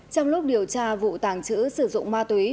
trong lúc điều tra vụ tàng trữ sử dụng ma túy